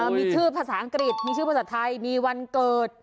มีชื่อภาษาอังกฤษมีชื่อภาษาไทยมีวันเกิด